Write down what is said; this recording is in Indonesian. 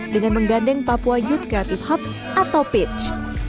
dengan menggandeng papua youth creative hub atau pitch